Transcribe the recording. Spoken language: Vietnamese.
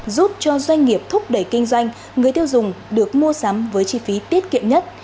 giúp cho doanh nghiệp thúc đẩy kinh doanh người tiêu dùng được mua sắm với chi phí tiết kiệm nhất